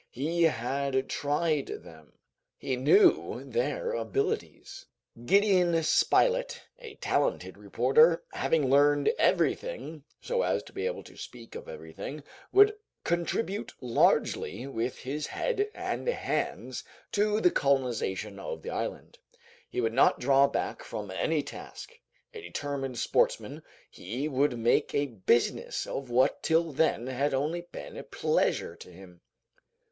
He had tried them. He knew their abilities. Gideon Spilett, a talented reporter, having learned everything so as to be able to speak of everything, would contribute largely with his head and hands to the colonization of the island. He would not draw back from any task: a determined sportsman, he would make a business of what till then had only been a pleasure to him.